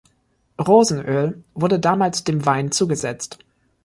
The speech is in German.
Rosenöl wurde damals dem Wein zugesetzt.